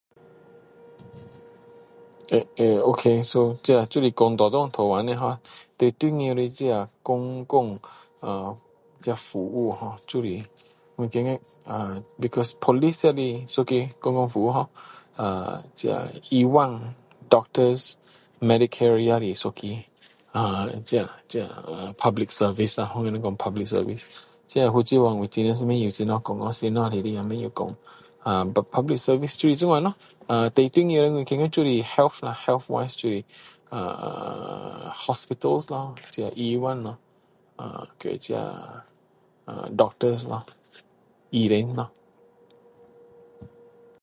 对erm ok 好这就是刚才讲的ho最重要的公共呃这服务ho我觉得你叫police也是一个公共服务ho这医院doctors medicarier 也是一种呃这这public service 啦ho我们说public service这福州话我真的是不会说哦什么来的不会说but public service就是这样咯最重要的我觉得就是health lah health wise就是hospital啦医院啦和这些doctors loh医生咯